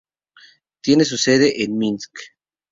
Tiene su sede en Minsk.